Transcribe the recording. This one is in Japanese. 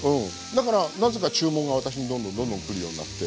だからなぜか注文が私にどんどんどんどん来るようになって。